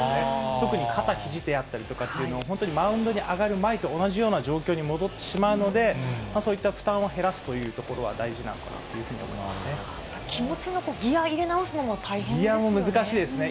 特に肩、ひじであったりとかいうのを本当にマウンドに上がる前と同じような状況に戻ってしまうので、そういった負担を減らすというところは大事なのかなというふうに気持ちのギア入れ直すのも大ギアも難しいですね。